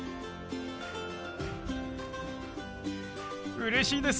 うれしいです！